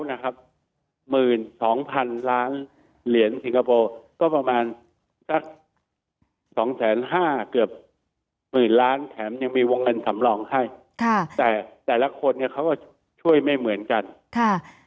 นะครับหมื่นสองพันล้านเหรียญสิงคโปร์ก็ประมาณสักสองแสนห้าเกือบหมื่นล้านแถมยังมีวงเงินสำรองให้ค่ะแต่แต่ละคนเนี่ยเขาก็ช่วยไม่เหมือนกันค่ะ